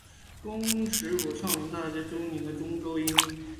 工尺谱的唱名大致上接近过去的中州音。